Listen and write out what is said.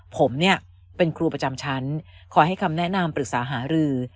ผมเนี่ยเป็นครูประจำชั้นคอยให้คำแนะนำปรึกษาหารือ